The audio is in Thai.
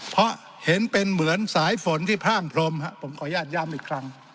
เพราะเห็นเป็นเหมือนสายฝนที่พร่างพรมผมขออนุญาตย้ำอีกครั้ง